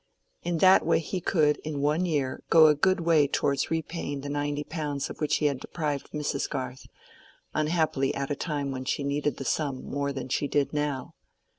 In that way he could, in one year, go a good way towards repaying the ninety pounds of which he had deprived Mrs. Garth, unhappily at a time when she needed that sum more than she did now.